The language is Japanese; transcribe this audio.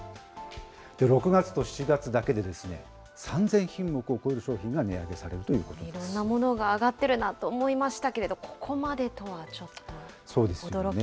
６月と７月だけで３０００品目を超える商品が値上げされるといういろんなものが上がってるなと思いましたけど、ここまでとは、ちょっと。